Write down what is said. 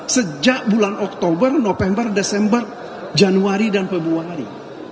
sejak bulan oktober november desember januari dan februari